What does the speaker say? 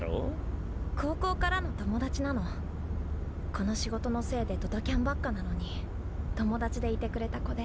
この仕事のせいでドタキャンばっかなのに友達でいてくれた子で。